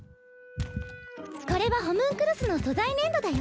これはホムンクルスの素材粘土だよ